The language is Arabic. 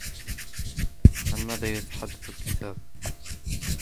عن ماذا يتحدث الكتاب؟